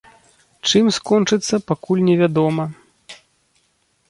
Чым скончыцца, пакуль невядома.